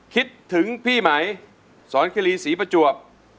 คิดถึงพี่ไหมสอนคิรีศรีประจวบ